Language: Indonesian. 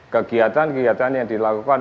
kegiatan kegiatan yang dilakukan